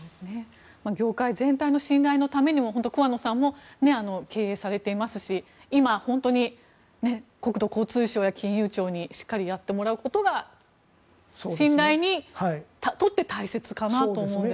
業界全体の信頼のためにも桑野さんも経営されていますし今、本当に国土交通省や金融庁にしっかりやってもらうことが信頼にとって大切かなと思いますが。